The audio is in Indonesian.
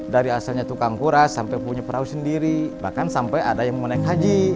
dari asalnya tukang kuras sampai punya perahu sendiri bahkan sampai ada yang mau naik haji